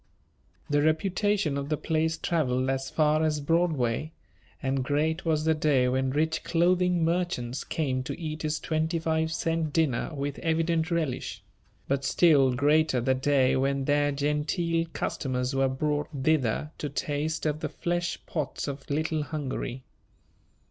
The reputation of the place travelled as far as Broadway, and great was the day when rich clothing merchants came to eat his twenty five cent dinner with evident relish; but still greater the day when their Gentile customers were brought thither to taste of the fleshpots of "Little Hungary."